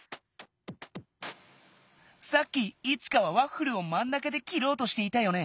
さっきイチカはワッフルをまん中できろうとしていたよね。